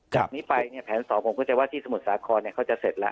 จากนี้ไปเนี่ยแผน๒ผมก็จะว่าที่สมุทรสาครเนี่ยเขาจะเสร็จแล้ว